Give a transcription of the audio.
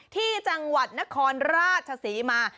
ที่จังหวัดนครราชศรีมา